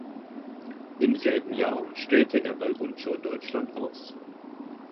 Im selben Jahr stellte er bei Rundschau Deutschland aus.